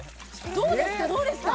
どうですかどうですか？